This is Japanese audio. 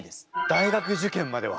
大学受験までは？